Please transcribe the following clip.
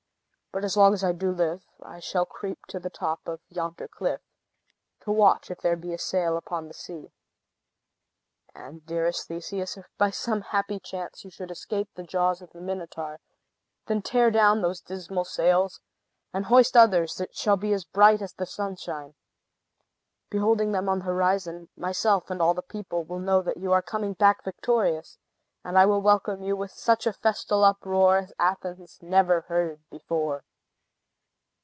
But, as long as I do live, I shall creep daily to the top of yonder cliff, to watch if there be a sail upon the sea. And, dearest Theseus, if by some happy chance, you should escape the jaws of the Minotaur, then tear down those dismal sails, and hoist others that shall be bright as the sunshine. Beholding them on the horizon, myself and all the people will know that you are coming back victorious, and will welcome you with such a festal uproar as Athens never heard before."